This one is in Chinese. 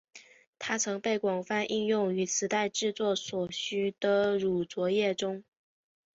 它曾被广泛应用于磁带制作所需的乳浊液中。